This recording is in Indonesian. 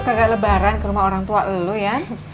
kagak lebaran ke rumah orang tua lo ya